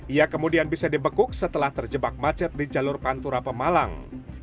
ia kemudian bisa dibekuk setelah terjebak macet di jalur pantura pemalang